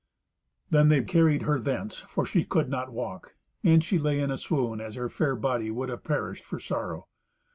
Then they carried her thence, for she could not walk. And she lay in a swoon, as her fair body would have perished for sorrow.